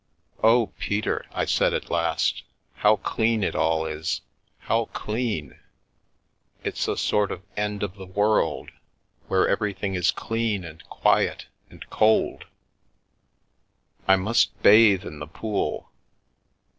"Oh, Peter," I said, at last, "how clean it all is! How clean ! It's a sort of end of the world, where every thing is clean and quiet and cold. I must bathe in the pool.